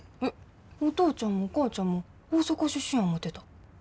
えっお父ちゃんもお母ちゃんも大阪出身や思てた。